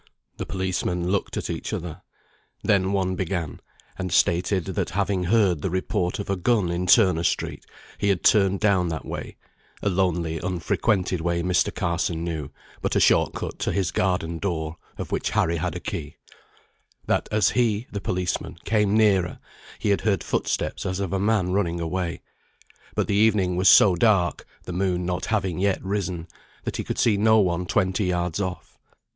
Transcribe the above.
The policemen looked at each other. Then one began, and stated that having heard the report of a gun in Turner Street, he had turned down that way (a lonely, unfrequented way Mr. Carson knew, but a short cut to his garden door, of which Harry had a key); that as he (the policeman) came nearer, he had heard footsteps as of a man running away; but the evening was so dark (the moon not having yet risen) that he could see no one twenty yards off.